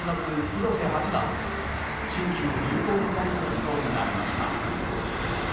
広瀬八段で新旧竜王対決となりました。